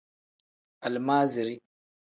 Alimaaziri.